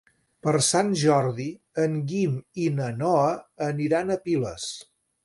Per Sant Jordi en Guim i na Noa aniran a Piles.